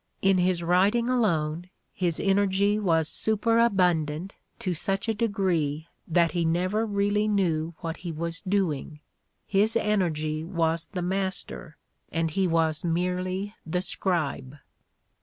In his writing alone his energy was super abundant to such a degree that he never really knew what he was doing: his energy was the master, and he was merely the scribe.